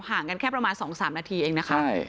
ห่างกันแค่ประมาณ๒๓นาทีเองนะคะ